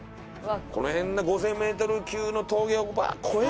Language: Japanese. この辺の５０００メートル級の峠を越えて。